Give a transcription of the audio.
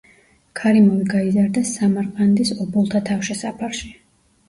ქარიმოვი გაიზარდა სამარყანდის ობოლთა თავშესაფარში.